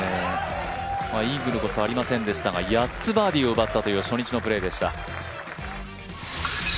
イーグルこそありませんでしたが８つバーディーを奪ったという初日のプレーでした。